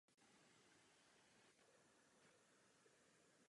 V říši života je nejsilnějším projevem vůle k životu rozmnožovací pud.